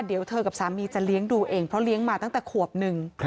เดี๋ยวเธอกับสามีจะเลี้ยงดูเองเพราะเลี้ยงมาตั้งแต่ขวบหนึ่ง